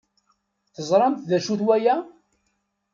Teẓramt d acu-t waya?